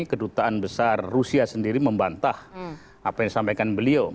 kedutaan besar rusia sendiri membantah apa yang disampaikan beliau